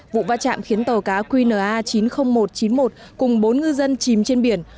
vụ va chạm khiến tàu cá qna chín mươi nghìn một trăm chín mươi một cùng bốn ngư dân chìm trên biển